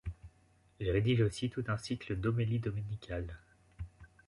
Il rédige aussi tout un cycle d'homélies dominicales.